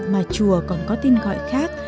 mà chùa còn có tên gọi khác